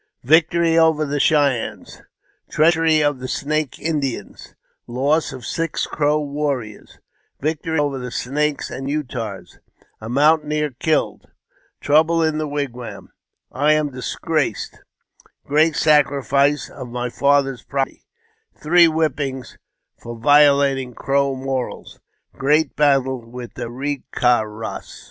Tictory over the Cheyennea — Treachery of the Snake Indians — Loss of six Crow Warriors — Victory over the Snakes and Utahs—A Mountaineer killed — Trouble in the Wigwam — I am disgraced — Great Sacrifice of my Father's Property — Three Whippings for violating Crow Morals — Great Battle with the Ke ka ras.